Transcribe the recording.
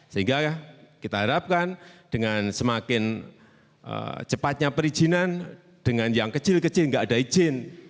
sehingga kita harapkan dengan semakin cepatnya perizinan dengan yang kecil kecil nggak ada izin